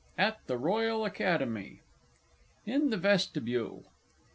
AT THE ROYAL ACADEMY. IN THE VESTIBULE.